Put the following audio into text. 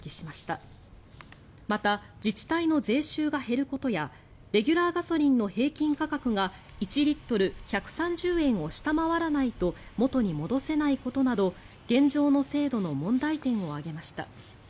また、自治体の税収が減ることやレギュラーガソリンの平均価格が１リットル１３０円を下回らないと元に戻せないことなど現状の制度の問題点を挙げました。